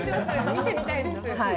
見てみたいです